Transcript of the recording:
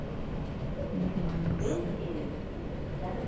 Make man no fool we.